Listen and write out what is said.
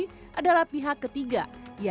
dan ini adalah pihak ketiga yang mencari jasa kremasi